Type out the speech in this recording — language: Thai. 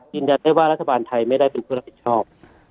ยืนยันได้ว่ารัฐบาลไทยไม่ได้เป็นผู้รับผิดชอบ